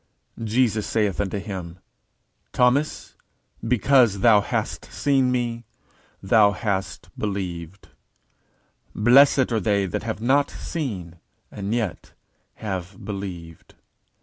_Jesus saith unto him, Thomas, because thou hast seen me, thou hast believed: blessed are they that have not seen, and yet have believed.